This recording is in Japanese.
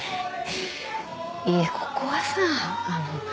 いやここはさあの